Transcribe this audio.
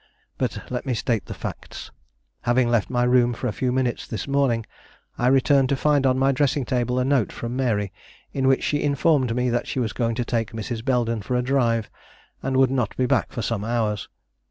But let me state the facts. Having left my room for a few minutes this morning, I returned to find on my dressing table a note from Mary in which she informed me that she was going to take Mrs. Belden for a drive and would not be back for some hours.